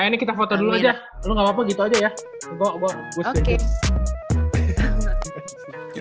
ayo ini kita foto dulu aja lu enggak apa apa gitu aja ya